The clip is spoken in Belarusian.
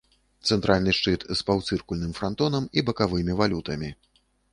Цэнтральны шчыт з паўцыркульным франтонам і бакавымі валютамі.